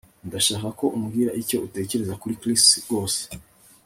Ndashaka ko umbwira icyo utekereza kuri Chris rwose